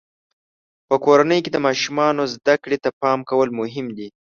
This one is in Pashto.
په کورنۍ کې د ماشومانو زده کړې ته پام کول مهم دي.